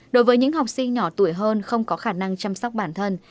đối với những học sinh nhỏ tuổi hơn không có khả năng chăm sóc bản thân